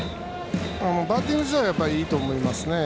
バッティング自体はいいと思いますね。